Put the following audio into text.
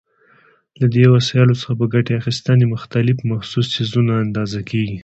له دې وسایلو څخه په ګټې اخیستنې مختلف محسوس څیزونه اندازه کېږي.